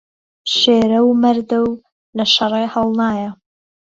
شێره و مهرده و لە شەڕێ ههڵنایه